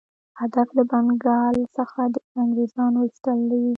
هدف له بنګال څخه د انګرېزانو ایستل دي.